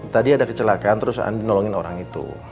tadi ada kecelakaan terus andi nolongin orang itu